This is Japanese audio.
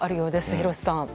廣瀬さん。